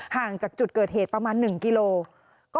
ห่างจากจุดเกิดเหตุประมาณ๑กิโลกรัม